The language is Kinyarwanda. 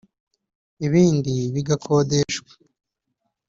ibindi bigakodesha